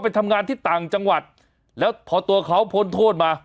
ไปทำงานที่ต่างจังหวัดแล้วพอตัวเขาพ้นโทษมา